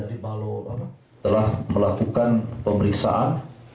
kepala kepala kepala telah melakukan pemeriksaan